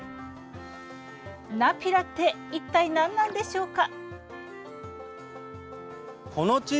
ナピラって一体なんなんでしょうか。